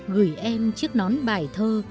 gửi em chiếc nón bài thơ